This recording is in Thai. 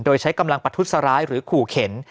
โดยใช้กำลังประทุษร้ายหรือขู่เข็น